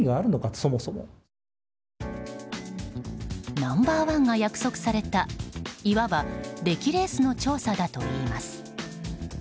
ナンバー１が約束されたいわば出来レースの調査だといいます。